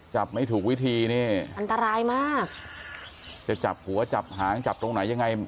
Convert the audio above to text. ไม่ถูกวิธีนี่อันตรายมากจะจับหัวจับหางจับตรงไหนยังไง